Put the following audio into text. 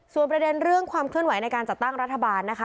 ส่วนประเด็นเรื่องความเคลื่อนไหวในการจัดตั้งรัฐบาลนะคะ